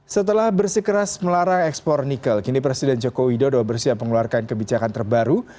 setelah bersikeras melarang ekspor nikel kini presiden joko widodo bersiap mengeluarkan kebijakan terbaru